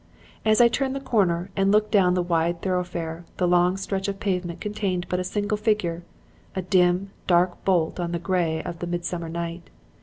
"As I turned the corner and looked down the wide thoroughfare the long stretch of pavement contained but a single figure; a dim, dark blot on the gray of the summer night.